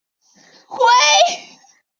灰刻齿雀鲷为雀鲷科刻齿雀鲷属的鱼类。